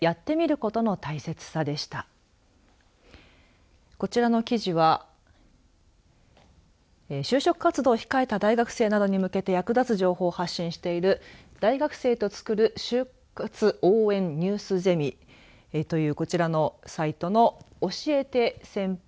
こちらの記事は就職活動を控えた大学生などに向けて役立つ情報を発信している大学生とつくる就活応援ニュースゼミという、こちらのサイトの教えて先輩！